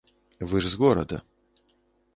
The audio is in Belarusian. Вы ж з горада.